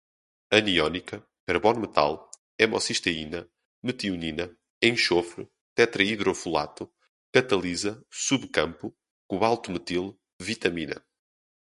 aniônica, carbono-metal, homocisteína, metionina, enxofre, tetraidrofolato, catalisa, subcampo, cobalto-metil, vitamina